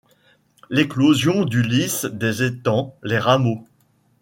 L'éclosion du lys des étangs, les rameaux